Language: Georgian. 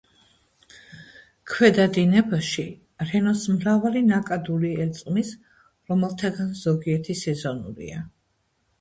ქვედა დინებაში რენოს მრავალი ნაკადული ერწყმის, რომელთაგან ზოგიერთი სეზონურია.